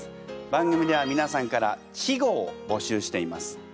番組ではみなさんから稚語を募集しています。